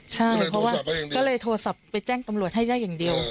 ใช่เพราะว่าก็เลยโทรศัพท์ไปแจ้งตำรวจให้ได้อย่างเดียว